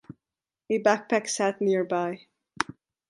A backpack sat nearby.